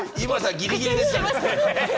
ギリギリでしたね。